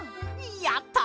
やった！